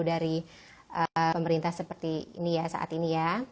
dari pemerintah seperti ini ya saat ini ya